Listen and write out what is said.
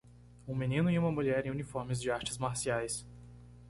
Um menino e uma mulher em uniformes de artes marciais.